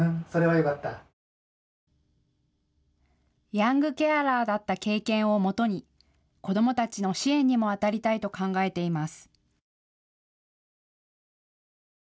ヤングケアラーだった経験をもとに子どもたちの支援にもあたりたいと考えています。